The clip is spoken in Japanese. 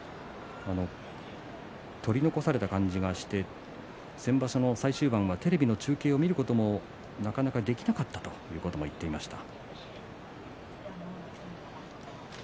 取り残された感じがして先場所の最終盤はテレビの中継を見ることもなかなかできなかったということも言っていました。